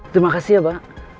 terima kasih ya mbak